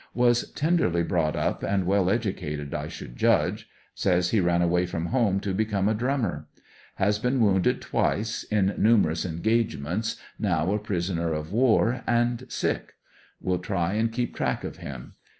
Was tenderly brought up and w^ell educated I should judge Says he ran away from home to become a drummer. Has been wounded twice, in numerous en gagements, now a prisoner of war and sick. Will try and keep track of him.